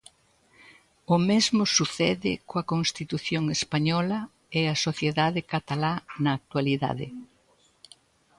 O mesmo sucede coa Constitución española e a sociedade catalá na actualidade.